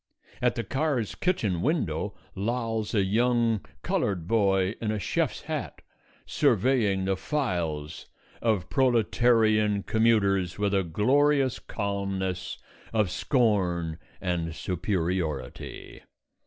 At the car's kitchen window lolls a young coloured boy in a chef's hat, surveying the files of proletarian commuters with a glorious calmness of scorn and superiority.